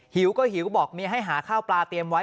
หิวก็หิวบอกเมียให้หาข้าวปลาเตรียมไว้